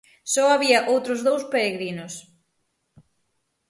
Só había outros dous peregrinos.